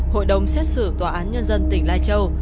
hội đồng xét xử tòa án nhân dân tỉnh lai châu